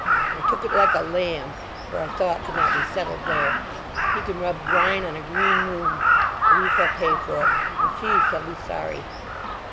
I took it like a lamb, for I saw it could not be settled there. He can rub brine on a green wound!... But he shall pay for it, and she shall be sorry.